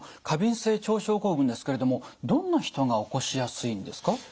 過敏性腸症候群ですけれどもどんな人が起こしやすいんですか？